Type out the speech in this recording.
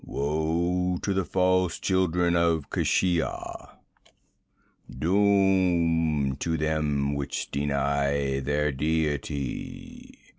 Woe to the false children of Keshia! Doom to them which deny their deity!'